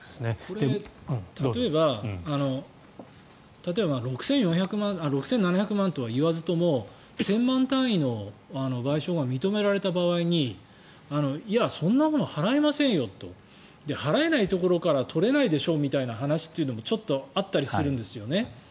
これ、例えば６７００万円とはいわずとも１０００万単位の賠償が認められた場合にいや、そんなもの払えませんよと払えないところから取れないでしょみたいな話もちょっとあったりするんですよね。